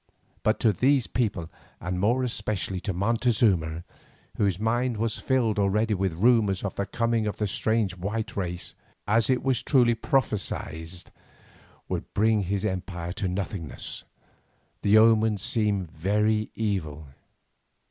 But to these people, and more especially to Montezuma, whose mind was filled already with rumours of the coming of a strange white race, which, as it was truly prophesied, would bring his empire to nothingness, the omens seemed very evil.